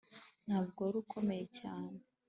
ntabwo wari ukomeye cyane.